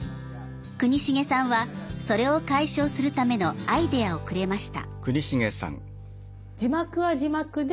国重さんはそれを解消するためのアイデアをくれました。